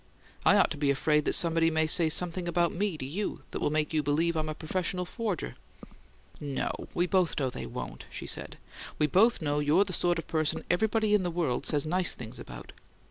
I ought to be afraid that somebody may say something about me to you that will make you believe I'm a professional forger." "No. We both know they won't," she said. "We both know you're the sort of person everybody in the world says nice things about."